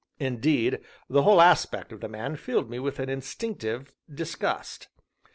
Indeed, the whole aspect of the man filled me with an instinctive disgust.